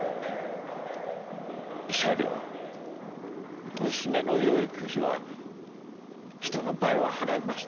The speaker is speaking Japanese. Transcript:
慰謝料娘の養育費は人の倍は払いました。